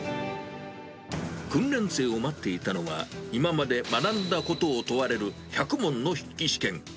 訓練生を待っていたのは、今まで学んだことを問われる１００問の筆記試験。